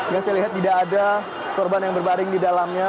yang saya lihat tidak ada korban yang berbaring di dalamnya